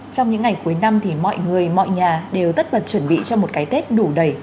trong những ngày cuối năm thì mọi người mọi nhà đều tất bật chuẩn bị cho một cái tết đủ đầy